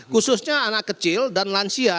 khususnya anak kecil dan lansia